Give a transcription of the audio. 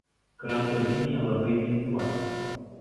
Kranto linija labai vingiuota.